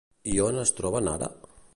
I on es troben, ara?